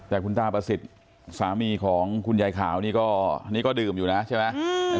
แต่คุณตาประสิทธิ์สามีของคุณยายขาวนี่ก็นี่ก็ดื่มอยู่นะใช่ไหม